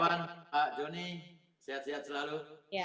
pak joni sehat sehat selalu